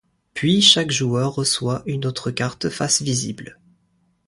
Puis chaque joueur reçoit une autre carte face visible.